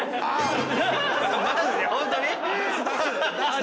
ホントに？